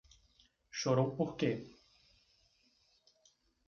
Chorou por quê?